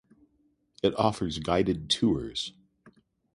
It offers guided tours.